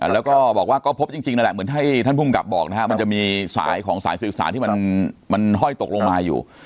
แล้วก็บอกว่าก็พบจริงนั่นแหละเหมือนให้ท่านภูมิกับบอกนะครับมันจะมีสายของสายสื่อสารที่มันห้อยตกลงมาอยู่